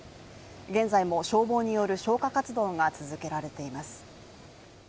現在も消防による消火活動が続けられています。